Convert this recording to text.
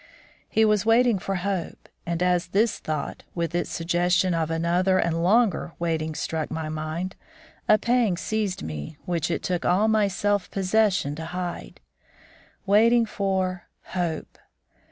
He was waiting for Hope, and as this thought, with its suggestion of another and longer waiting struck my mind, a pang seized me which it took all my self possession to hide. Waiting for Hope!